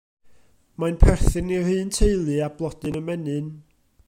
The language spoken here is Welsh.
Mae'n perthyn i'r un teulu â blodyn ymenyn.